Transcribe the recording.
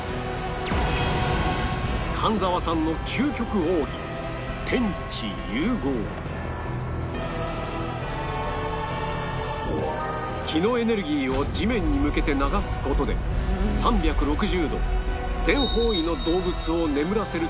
神沢さんの気のエネルギーを地面に向けて流す事で３６０度全方位の動物を眠らせるという秘技